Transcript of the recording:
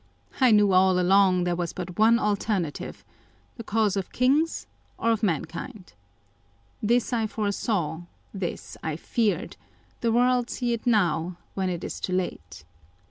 I knew all along there was but one alternative â€" the cause of kings or of mankind. This I foresaw, this I feared ; the world see it now, when it is too late.